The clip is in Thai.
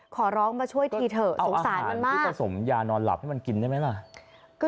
เอาอาหารผสมยานอนหลับให้มันกินได้ไหมล่ะ